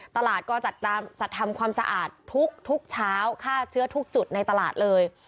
ตลาดก็จัดทำความสะอาดทุกเช้าฆ่าเชื้อทุกจุดในตลาดเลย